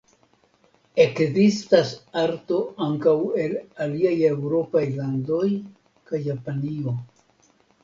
Ekzistas arto ankaŭ el aliaj eŭropaj landoj kaj Japanio.